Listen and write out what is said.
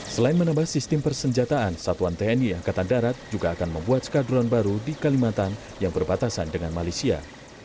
selain menambah sistem persenjataan satuan tni angkatan darat juga akan membuat skadron baru di kalimantan yang berbatasan dengan malaysia